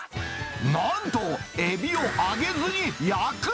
なんと、エビを揚げずに焼く。